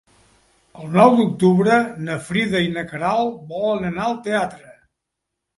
El nou d'octubre na Frida i na Queralt volen anar al teatre.